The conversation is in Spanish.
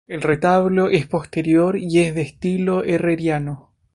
El retablo es posterior y es de estilo herreriano.